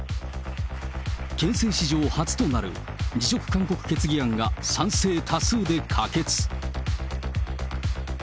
憲政史上初となる辞職勧告決議案が賛成多数で可決。